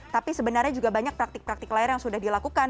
tapi sebenarnya juga banyak praktik praktik lain yang sudah dilakukan